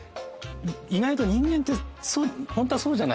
意外と人間ってホントはそうじゃないですか。